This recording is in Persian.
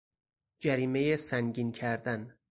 جریمهی سنگین کردن